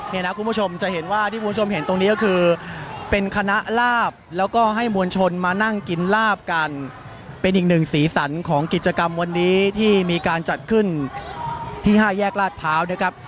นี่นะคุณผู้ชมจะเห็นว่าที่คุณผู้ชมเห็นตรงนี้ก็คือเป็นคณะลาบแล้วก็ให้มวลชนมานั่งกินลาบกันเป็นอีกหนึ่งสีสันของกิจกรรมวันนี้ที่มีการจัดขึ้นที่๕แยกลาดพร้าวนะครับ